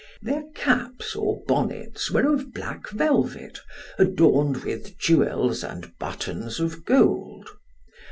Their caps or bonnets were of black velvet, adorned with jewels and buttons of gold.